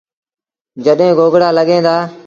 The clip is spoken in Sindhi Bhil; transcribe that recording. جڏهيݩ گوگڙآ لڳيٚن دآ